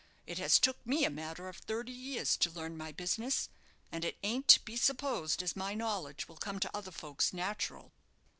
"It has took me a matter of thirty years to learn my business; and it ain't to be supposed as my knowledge will come to other folks natural."